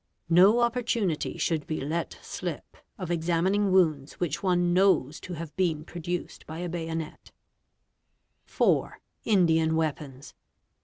No opportunity should be let sini examining wounds which one knows to have been produced by a bayonet 4, Indian Weapons.